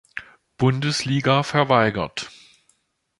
Bundesliga verweigert.